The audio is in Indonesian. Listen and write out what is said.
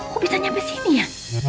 kok bisa sampai sini ya